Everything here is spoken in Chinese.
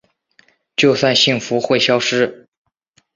就算幸福会消失